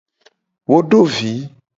Wo do vi.